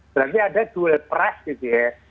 berarti ada dual price gitu ya